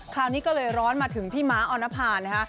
คราวนี้ก็เลยร้อนมาถึงพี่ม้าออนภานะคะ